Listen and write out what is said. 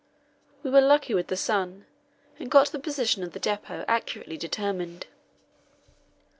We were lucky with the sun, and got the position of the depot accurately determined.